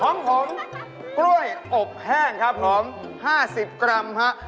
อ๋อของผมกล้วยอบแห้งครับของผม๕๐กรัมครับ